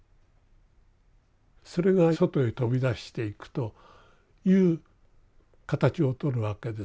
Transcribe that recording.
それが外へ飛び出していくという形をとるわけです。